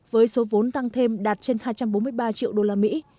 với số vốn tăng thêm đạt trên hai trăm bốn mươi ba triệu usd